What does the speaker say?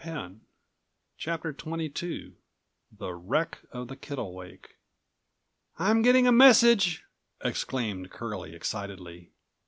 211 CHAPTER XXIITHE WRECK OF THE KITTLEWAKE "I'm getting a message!" exclaimed Curlie excitedly.